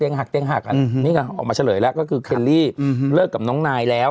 นี้ออกมาเฉลยแล้วก็คือเคลลี่เลิกกับน้องนายแล้ว